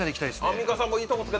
アンミカさんもいいとこ。